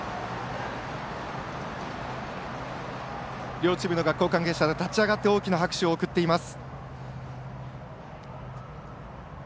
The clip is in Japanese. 両チームの学校関係者が立ち上がって大きな拍手を送っています。